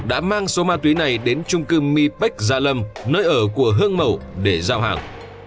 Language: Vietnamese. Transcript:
đã mang số ma túy này đến trung cư mi bách gia lâm nơi ở của hương mầu để giao hàng